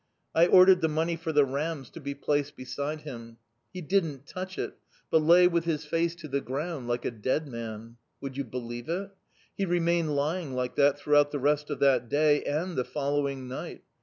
I ordered the money for the rams to be placed beside him. He didn't touch it, but lay with his face to the ground like a dead man. Would you believe it? He remained lying like that throughout the rest of that day and the following night!